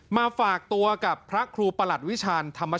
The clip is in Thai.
มาฝากตัวกับพระครูประหลัดวิชาญธรรม